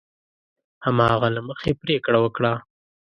هماغه له مخې پرېکړه وکړي.